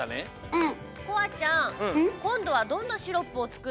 うん。